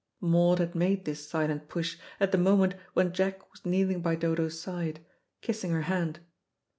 Maud had made this silent push at the moment when Jack was kneeling by Dodo's side, kissing her hand.